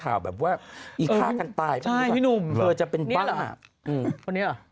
ฮะก็ไม่รู้ยายช่องมันจากไหน